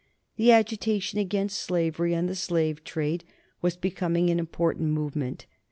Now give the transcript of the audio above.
The agitation against slavery and the slave trade was becoming an important movement.